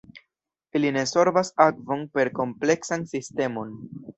Ili ne sorbas akvon per kompleksan sistemon.